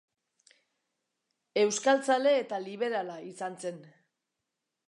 Euskaltzale eta liberala izan zen.